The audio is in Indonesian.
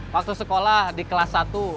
waktu sekolah di kelas satu